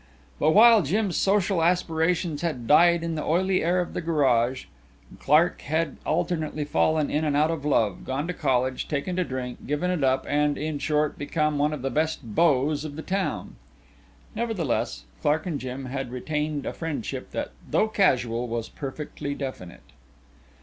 But, while Jim's social aspirations had died in the oily air of the garage, Clark had alternately fallen in and out of love, gone to college, taken to drink, given it up, and, in short, become one of the best beaux of the town. Nevertheless Clark and Jim had retained a friendship that, though casual, was perfectly definite.